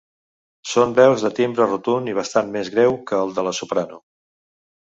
Són veus de timbre rotund i bastant més greu que el de la soprano.